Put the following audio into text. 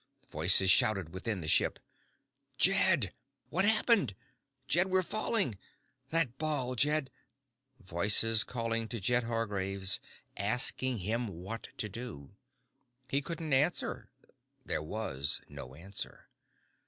Voices shouted within the ship. "Jed!" "What happened?" "Jed, we're falling!" "That ball, Jed " Voices calling to Jed Hargraves, asking him what to do. He couldn't answer. There was no answer.